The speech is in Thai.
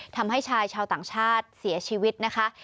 ทำให้ชายชาวต่างชาติเสียชีวิตนะคะ